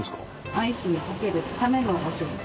アイスにかけるためのお醤油です。